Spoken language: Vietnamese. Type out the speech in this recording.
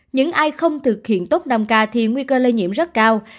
những ai không thực hiện tốt năm k thì nguy cơ lây nhiễm rất cao